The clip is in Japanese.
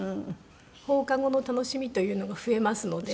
放課後の楽しみというのが増えますので。